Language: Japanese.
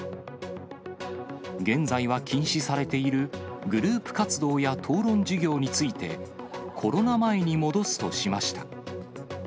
現在は禁止されているグループ活動や討論授業について、コロナ前に戻すとしました。